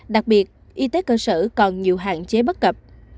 đặc biệt y tế cơ sở còn nhiều hạn chế bất cập